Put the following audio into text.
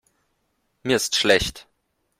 Mir ist schlecht.